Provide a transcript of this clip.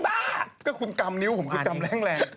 ไอ้บ้าก็คุณกำนิ้วผมคุณกำแรง